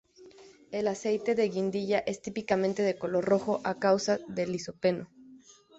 El aceite de guindilla es típicamente de color rojo a causa del licopeno.